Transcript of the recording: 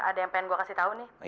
ada yang pengen gue kasih tau nih